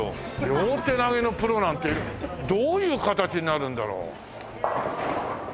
両手投げのプロなんてどういう形になるんだろう？